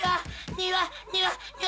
庭！